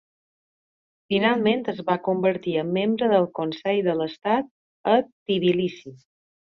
Finalment es va convertir en membre del Consell de l'Estat a Tbilisi.